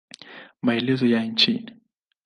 Maelezo ya chini